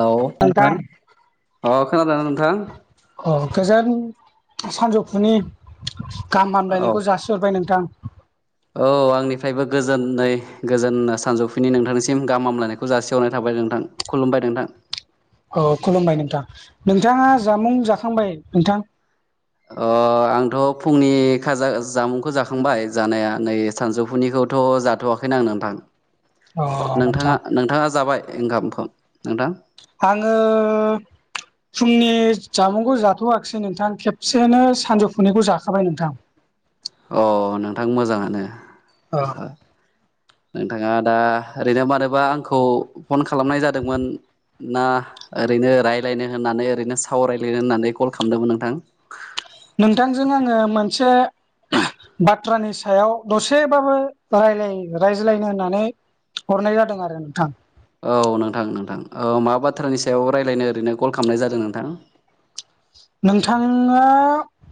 हेल' नोंथां [unintelligible] अ खोनादोंना नोंथां? अ गोजोन सानजौफुनि गाहाम औ हामलायनायखौ जासिहरबाय नोंथां। औ आंनिफ्रायबो गोजोनै गोजोन सानजौफुनि नोंथांनिसिम गाहाम हामलायनायखौ जासिहरनाय थाबाय। नोंथां, खुलुमबाय नोंथां। औ खुलुमबाय नोंथां। नोंथाङा जामुं जाखांबाय नोंथां? ओ आंथ' फुंनि खाजा जामुंखौ जाखांबाय जानाया नै सानजौफुनिखौ थ' जाथ'वाखैनो आं नोंथां, अ नोंथां नोंथाङा नोंथाङा जाबाय? ओंखाम खौ नोंथां। आङो! फुंनि जामुंखौ जाथ'वाखिसै नोंथां खेबसेनो सानजौफुनिखौ जाखाबाय नोंथां। [inaudible] अ नोंथां मोजाङानो। ओ नोंथाङा दा ओरैनो मानोबा आंखौ फन खालामनाय जादोंमोन? ना ओरैनो रायज्लायनो होननानै ओरैनो सावरायलायनो होननानै कल खालामदोंमोन नोंथां? नोंथांजों आङो मोनसे बाथ्रानि सायाव दसेबाबो रायलाय रायज्लायनो होननानै हरनाय जादों आरो नोंथां। औ नोंथां नोंथां ओ मा बाथ्रानि सायाव रायज्लायनो ओरैनो कल खालामनाय जादों नोंथां? नोंथाङा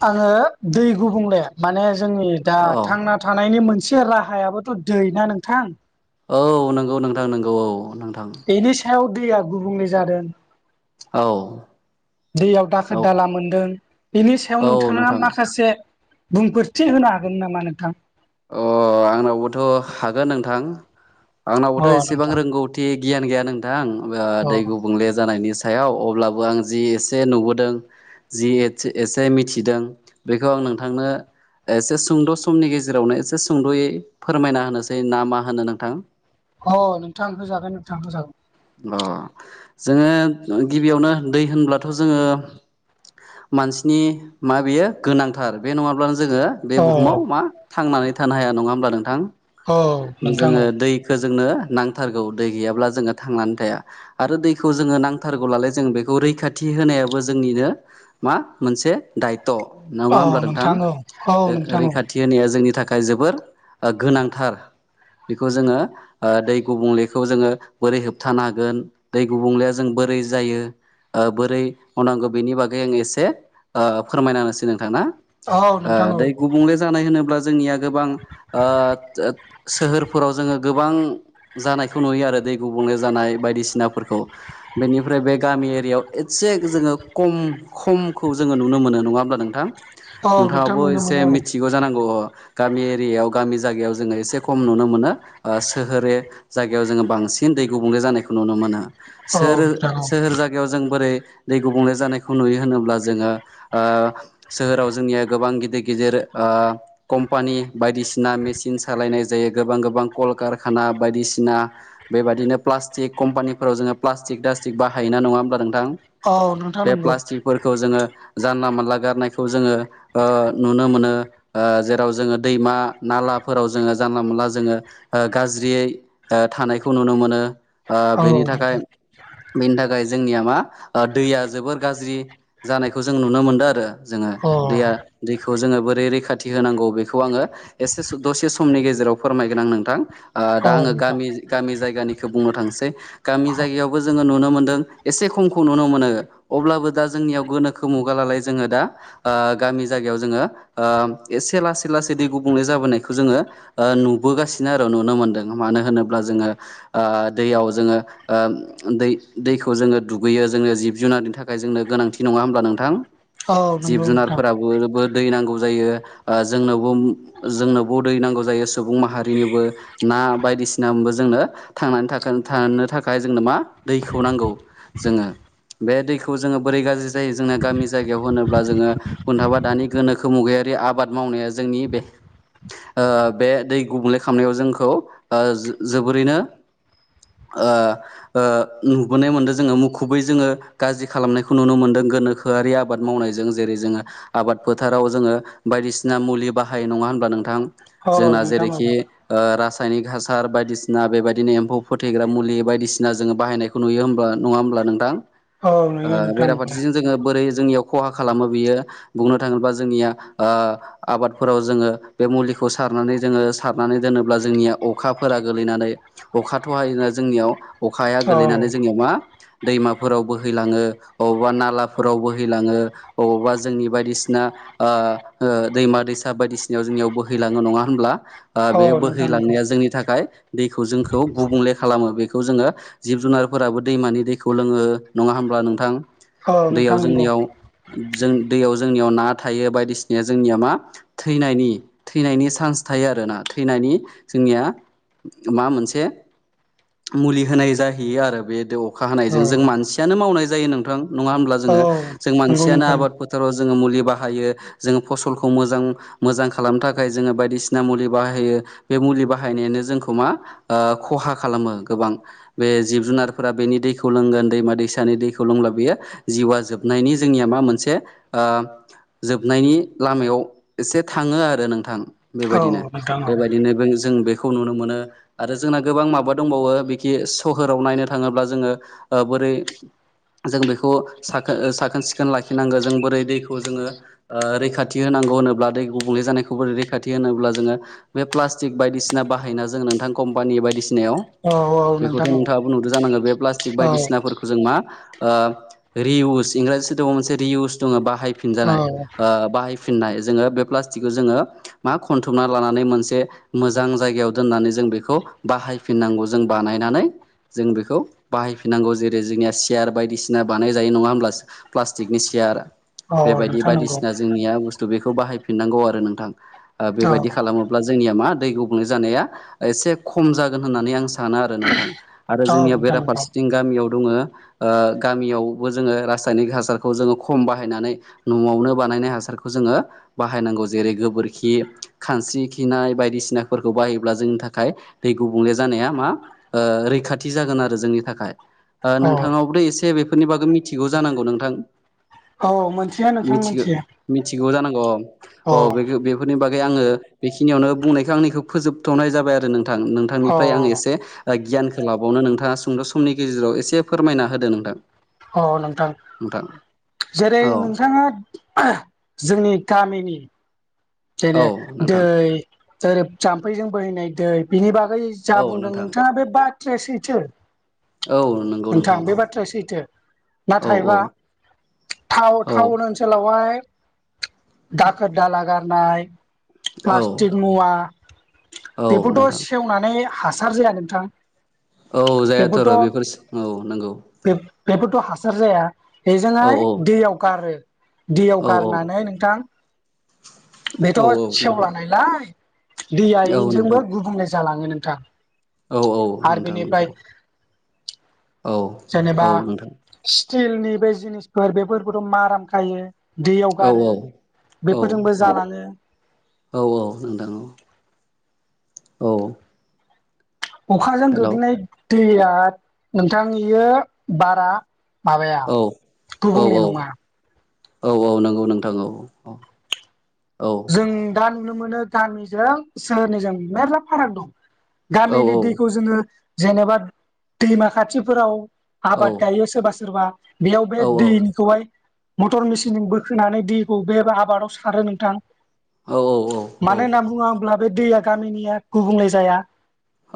आङो दै गुबुंले माने जोंनि दा औ थांना थानायनि मोनसे राहायाबोथ' दै ना नोंथां। औ नंगौ नोंथां नंगौ औ। नोंथां बेनि सायाव दैया गुबुंले जादों। औ दैयाव औ दाखोर दाला मोनदों। बेनि सायाव औ नोंथाङा नोंथां माखासे बुंफोरथि होनो हागोन नामा नोंथां? अ आंनावबोथ' हागोन नोंथां अ आंनावबोथ' एसेबां नोंथां रोंगौथि गियान गैया नोंथां ओ अ दै गुबुंले जानायनि याव अब्लाबो आं जि एसे नुबोदों जि एसे मिथिदों बेखौ आं नोंथांनो एसे सुंद' समनि गेजेराव जेरावनो एसे सुंद'यै फोरमायना होनोसै ना मा होनो नोंथां। अ नोंथां होजागोन नोंथांखौ होजागोन। अ जोङो गिबियावनो दै होनब्लाथ' जोङो। मानसिनि मा बेयो गोनांथार बे नङाब्ला जोङो बे औ बुहुमाव मा थांनानै थानो हाया नङा होमब्ला नोंथां। औ नोंथां जोङो औ दैखौ जोंनो नांथारगौ दै गैयाब्ला जोङो थांनानै थाया आरो दैखौ जोङो नांथारनालाय जों बेखौ रैखाथि होनायाबो जोंनिनो मा मोनसे दाय त' नङा औ होमब्ला नोंथां औ औ नोंथां औ रैखाथि होनाया जोंनि थाखाय थाखाय जोबोर गोनांथार। बेखौ जोङो ओ दै गुबुंलेखौ जोङो बोरै होबथानो हागोन दै गुबुंले जों बोरै जायो। बोरै मावनांगौ बेनि बागै आं एसे फोरमाय होनोसै नोंथांना। औ नोंथां औ दै गुबुंले जानाय होनोब्ला जोंनिया गोबां। सोहोरफोराव जोङो गोबां। जानायखौ नुयो आरो दै गुबुंले जानाय बायदिसिनाफोरखौ बेनिफ्राय बे गामि एरियाव एसे जोङो खम खमखौ जोङो नुनो मोनो नङा होमबा नोंथां। औ नोंथां नोंथाङाबबो नुनो एसे मोनो औ मिथिगौ जानांगौ। गामि एरियायाव गामि जायगायाव जोङो एसे खम नुनो मोनो सोहोर। जायगायाव जोङो बांसिन दै गुबुंले जानायखौ नुनो मोनो औ सोहोर नोंथां औ सोहोर जायगायाव जों बोरै दै गुबुंले जानायखौ नुयो होनोब्ला जोङो सोहोराव जोंनिया गोबां गिदिर गिदिर कम्पा बायदिसिना मेसिन सालायनाय जायो गोबां गोबां कलकारखाना बायदिसिना बेबायदिनो प्लास्टिक कम्पानिफोराव जोङो प्लास्टिक बाहायोना नोंथां नङा होनब्ला नोंथां औ नोंथां बे नंगौ प्लास्टिकफोरखौ जोङो। जानला मोनला गारनायखौ जोङो नुनो मोनो जेराव जोङो दैमा नाला जोङो जानला मोनला जोङो गाज्रियै थानायखौ नुनो मोनो। औ बेनि थाखाय। नोंथां बेनि थाखाय जोंनिया मा दैया जोबोर गाज्रि जानायखौ जों नुनो मोनदों आरो जोङो। अ दै औ दैखौ जोङो बोरै रैखाथि होनांगौ बेखौ आङो एसे दसे गेजेराव फोरमायगोन नोंथां दा आङो नोंथां गामि जायगानिखौ बुंनो थांसै गामि औ जा जायगायावबो जोङो नुनो मोनदों एसे खमखौ नुनो मोनो अब्लाबो दा जोंनियाव गोनोखो मुगानालाय जोङो। दा गामि जायगायाव जोङो एसे लासै लासै दै गुबुंले जाबोनायखौ जोङो। नुबोगासिनो आरो नुनो मोनदों मानो होनोब्ला जोङो दैयाव जोङो दै दैखौ जोङो दुगैयो जोङो जिब जुनारनि थाखाय जोंनो गोनांथि नङा होमब्ला नोंथां। औ जिब नंगौ नोंथां जुनारफोराबो। दै नौ जायो जोंनोबो दै नांगौ। जायो सुबुं माहारिनिबो ना बायदिसिना जोंनो थांनानै थानो थाखाय जोंनो। मा दैखौ नांगौ जोङो। बे दैखौ जोङो बोरै गाज्रि जायो जोंना गामि जायगायाव होनोब्ला जोङो थाबा दानि गोनोखो मुगायाव। आबाद मावनाया जोंनि बे बे दै गुबुंले खालामनायाव जोंखौ जोबोरैनो ओ ओ नुबोनाय मोनदों जोङो मुखुबै जोङो गाज्रि खालामनायखौ नुनो मोनदों। गोनोखोआरि आबाद मावनायजों जेरै जोङो आबाद फोथाराव जोङो बायदिसिना मुलि बाहायो नङा। होनबा नोंथां औ जोंना नोंथां औ जेरैखि रासाय रासायनारि हासार बायदिसिना बेबायदिनो एम्फौ फोथैग्रा मुलि बायदिसिना जोङो बाहायनायखौ नुयो होब्ला नङा होमब्ला। नोंथां औ नंगौ नोंथां बेराफारसे जों बोरै जोंनियाव खहा खालामो बियो बुंनो थाङोबा जोंनिया आबादफोराव जोङो बे मुलिखौ सारनानै जोङो सारनानै दोनोब्ला जोंनिया अखाफोरा गोलैनानै अखाथ' हायोना जोंनियाव। अखाया औ गोलैनानै जोंनियाव मा दैमाफोराव बोहैलाङो अबावबा नालाफोराव बोहैलाङो अबावबा जोंनि बायदिसिना ओ -ओ दैमा दैसा बायदिसिनायाव जोंनियाव बोहै लाङो नङा होनब्ला ओ औ बे नोंथां नंगौ बोहैलांनाया जोंनि थाखाय दैखौ जोंखौ गुबुंले खालामो बेखौ जोङो जिब जुनारफोराबो दैमानि दैखौ लोङो नङा होन ब्ला नोंथां औ दैयाव नोंथां नंगौ जोंनियाव जों दैयाव जोंनियाव ना थायो बायदिसिनाया जोंनिया मा थैनायनि थैनायनि सान्स थायो आरोना थैनायनि जोंनिया मा मोनसे मुलि होनाय जाहैयो आरो बे देव अखा औ हानायजों जों मानसियानो मावनाय जायो नोंथां नङा होमब्ला औ जोङो जों नंगौ मानसियानो नोंथां आबाद फोथाराव जोङो मुलि बाहायो जोङो फसलखौ मोजां मोजां खालामनो था खाय जोङो बायदिसिना मुलि बाहायो बे मुलि बाहायनायानो जोंखौ मा ओ खहा खालामो गो बां बे जिब जुनारफोरा बेनि दैखौ लोंगोन दैमा दैसानि दैखौ लोंब्ला बेयो जिउआ जोबनाय [unintelligible] जोंनिया मा मोनसे ओ जोबनायनि लामायाव एसे थाङो आरो नों थां औ बेबायदिनो नोंथां औ बेबायदिनो बै जों बे खौ नुनो मोनो आरो जोंना गोबां माबा दंबावो बिखि सोहोराव नायनो थाङोब जोङो ओ ब्रै जों बेखौ साखो साखोन-सिखोन लाखिनांगो जों बोरै दैखौ जोङो ओ रैखाथि खौ होनोब्ला दै गुबुंले जानायखौ रैखाथि होनोब्ला जोङो बे प्लास्टिक बायदिसिना बाहायना जोंङो नोंथां कम्पानि बायदिसि नायाव औ औ नोंथां बेखौथ' औ नोंथाङाबो नुदो जानांगो बे प्लाष्टिक औ बायदिसिनाफोरखौ जों मा ओ रि उस इंराजि सोदोबाव मोनसे रि उस दङो औ बाहायफिनजानाय ओ बाहाय फिननाय जोङो बे प्लास्टिकखौ जोङो मा खनथुमना लानानै मोनसे मोजां जायगायाव दोननानै जों बेखौ बाहायफिननांगौ जों बानायनानै जों बेखौ बाहायफिनांगौ जेरै जोंनिया सेयार बायदिसिना बानाय जायो नङा होमब्ला प्लास्टिकनि सियार औ बेबायदि नोंथां नंगौ बायदिसिना जोंनिया बुस्थु बेखौ बाहायफिननांगौ आरो नोंथां। ओ औ बेबायदि खालामोब्ला जोंनिया मा दै गुबुंले जानाया एसे खम जागोन होननानै आं सानो आरो नोंथां। आरो औ जोंनियाव नोंथां नंगौ बेराफारसेथिं गामियाव दङो ओ गामियावबो जोङो रासायनिक हासारखौ जोङो खम बाहायनानै न'आवनो बानायनाय हासार बेखौ जोङो बाहायनांगौ जेरै गोबोर खि खानस्रि खिनाय बायदिसिनाफोरखौ बाहायोब्ला जोंनि थाखाय दै गुबुंले जानाया मा ओ रैखाथि जागोन आरो जोंनि थाखाय। ओ औ नोंथाङावबोथ' एसे बेफोरनि बागै मिथिगौ जानांगौ नोंथां औ मोनथियो नोंथां मिथिगो मोनथियो मिथिगौ जानांगौ औ अ अ बे [unintelligible] फोरनि बागै आङो बेखिनियावनो बुंनायखौ आंनिखौ फोजोबथ'नाय जाबाय आरो नोंथां औ नोंथांनिफ्राय आङो एसे ओ गियानखो लाबावनो नोंथाङा सुंद' समनि गेजेराव एसे फोरमायना होदो नोंथां। अ नोंथां नोंथां जेरै औ नोंथाङा जोंनि गामिनि जेने औ दै नोंथां ओरै जाम्फैजों बोहैनाय दै बिनि बा गै जा औ बुंदों नोंथां नोंथाङा बे बाथ्राया सैथो। औ नंगौ नोंथां बे औ बाथ्राया सैथो औ नाथायबा टाव औ टाउन ओनसोलावहाय दाखोर दाला गारनाय प्लास्टिक मुवा औ बेफोरथ' नोंथां सेवनानै हासार जाया नोंथां। औ जायाथ'र' बेफोर बेफोरथ' औ नंगौ बेफोरथ' हासार जाया औ बेजोंहाय औ दैयाव गारो दैयाव औ गारनानै थां बेथ' औ औ नोंथां सेवलांनायलाय दैआ औ नोंथां इजोंबो गुबुंले जालाङो नोंथां। औ औ आरो नोंथां नंगौ बेनिफ्राय औ जेनेबा औ नोंथां स्टिलनि बे जिनिसफोर बेफोरखौथ' माराम खायो दैयाव औ गारो औ बेफोरजोंबो औ जालाङो औ औ नोंथां औ औ अखाजों हेलौ गोग्लैनाय दैया नोंथां इयो बारा माबाया औ औ गुबुंले औ नङा औ औ नंगौ नोंथां औ औ औ जों दा नुनो मोनो गामिजों सोहोरनिजों मेर्ला फाराग दं। औ गामिनि दैखौ जोङो जेनेबा दैमा खाथिफोराव औ आबाद गायो सोरबा सोरबा बेयाव बे औ दैनिखौहाय मटर मेसिनजों बोखोनानै दैखौ बे आबादाव सारो नोंथां। औ औ औ औ मानो होनना बुङोब्ला बे दैया गामिनिया गुबुंले जाया।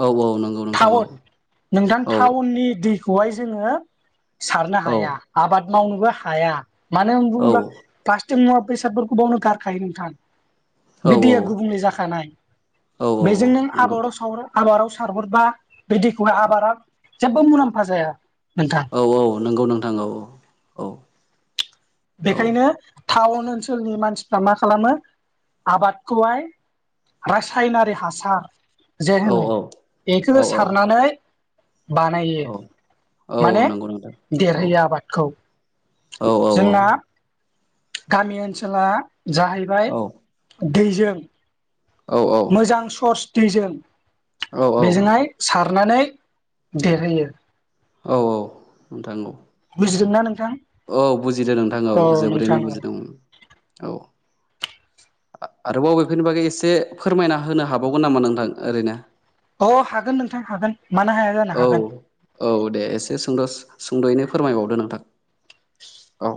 औ औ नंगौ नोंथां औ टाउन नोंथां औ टाउननि दै बखौहाय जोङो सारनो औ हाया आबाद मावनोबो हाया। मानो होनना औ बुङोब्ला गासै मुवा बेसादफोरखौ बावनो गारखायो नोंथां। औ बे दैया गुबुंले जाखानाय औ औ बेजों नों नंगौ आबादाव साव- आबादाव सारहरबा बे दैखौहाय आबादा जेबो मुलाम्फा जाया। नोंथां औ औ नंगौ नोंथां औ औ औ। बेखायनो टाउन ओनसोलनि मानसिफ्रा मा खालामो आबादखौहाय रासायनारि हासार जे औ होनो बेखौ औ सारनानै बानायो औ औ माने नंगौ नोंथां औ देरहोयो आबादखौ। औ औ औ जोंना गामि ओनसोला जाहैबाय दैजों औ मोजां सर्स दैजों औ बेजोंहाय सारनानै देरहोयो। औ औ नोंथां नंगौ। बुजिदों ना नों औ बुजिदों नोंथां औ नोंथां जोबोरैनो औ बुजिदों औ। आरोबाव अबेफोरनि बागै एसे फोरमायना होनो हाबावगोन नामा नोंथां ओरैनो? अ हागोन नोंथां हागोन। मानो हाया जानो औ हागोन औ दे एसे सोंद'स सुंद'यैनो फोरमायबावदो नोंथां औ।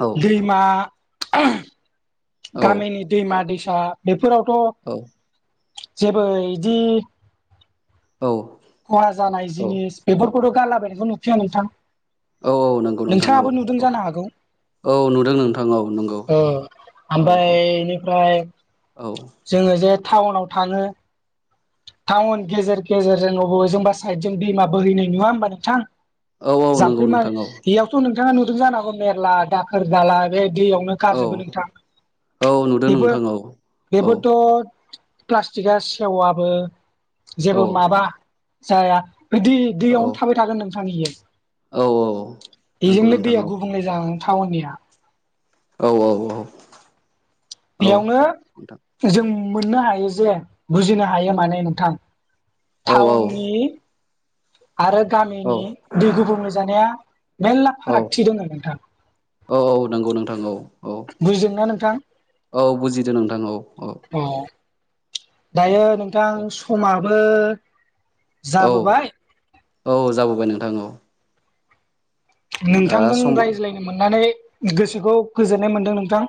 औ दैमा औ गामिनि दैमा दैसा बे औ फोरावथ' जेबो इदि खहा जानाय औ जिनिस बेफोरखौथ' गारलाबायनायखौ नुखाया नोंथां। औ नंगौ नोंथां औ नोंथाङाबो नुदों औ जानो हागौ। औ नुदों नोंथां औ नंगौ औ औ ओमफ्राय औ बेनिफ्राय औ जोङो जे टाउनाव थाङो। टाउन गेजेर गेजेरजों बबेजोंबा साइदजों दैमा बोहैनाय नुवा होमबा नोंथां? औ औ नंगौ जाम्फै मा नोंथां औ बेयावथ' नोंथाङा नुदों जानो हांगौ मेरला दाखोर दाला बे दैयावनो औ गारजोबो नोंथां औ नुदों बेबो नोंथां औ औ बेबोथ' प्लास्टिकआ सेवाबो औ जेबो माबा जाया दै औ दैयावनो थाबाय थागोन नोंथां बेयो औ औ नंगौ बेजोंनो नोंथां दैया औ गुबुंले जालां। टाउननिया औ औ औ। औ बेयावनो नोंथां जों मोननो हायो जे बुजिनो हायो माने नोंथां। औ औ टाउननि आरो औ गामिनि दै गुबुंले जानाया मेर्ला औ फारागथि दङ नोंथां। औ -औ नंगौ नोंथां औ औ बुजिदोंना नोंथां? औ बुजिदो नोंथां औ औ अ औ दायो नोंथां समाबो औ जाबोबाय औ जाबोबाय नोंथां औ। दा नोंथांजों समा रायज्लायनो मोननानै गोसोखौ गोजोननाय मोनदों नोंथां।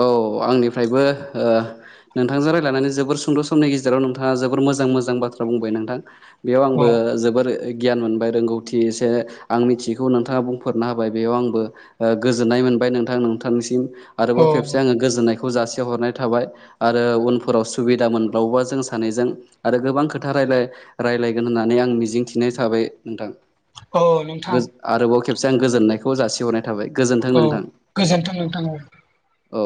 औ आंनिफ्रायबो नोंथांजों रायज्लायनानै जोबोर सुंद' समनि गेजेराव नोंथाङा जोबोर मोजां- मोजां बाथ्रा बुंबाय नोंथां बेयाव आंबो औ जोबोर गियान मोनबाय रोंगौथि एसे आं मिथियैखौ नोंथाङा बुंफोरना होबाय बेयाव आंबो गोजोन्नाय मोन बाय नोंथां नोंथांनिसिम आरोबाव औ खेबसे आङो गोजोननाय खौ‌ जासि हरनाय थाबाय आरो उनफोराव सुबिदा मोनबावोबा जों सानैजों आरो गोबां खोथा रा रायज्लायगोन होन्नानै आं मिजिंथिनाय थाबाय नोंथां। औ नोंथां गोज आरोबाव खेबसे आं गोजोननायखौ जासिहरनाय थाबाय गोजोन्थों औ नोंथां गोजोनथों औ नोंथां औ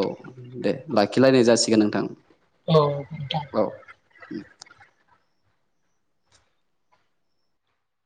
दे लाखिलायनाय जासिगोन नोंथां औ नोंथां औ [inaudible]